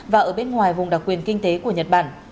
và ở bên ngoài vùng đặc quyền kinh tế của nhật bản